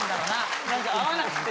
何か合わなくて。